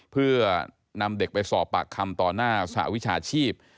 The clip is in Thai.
เพื่อนำเด็กไปสอบปากคำต่อหน้าสหวิชาชีพ